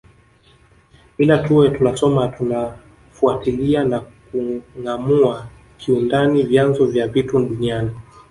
Ila tuwe tunasoma tunafuatilia na kungâamua kiundani vyanzo vya vitu duniani